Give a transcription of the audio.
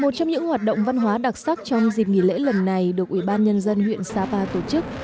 một trong những hoạt động văn hóa đặc sắc trong dịp nghỉ lễ lần này được ubnd huyện sapa tổ chức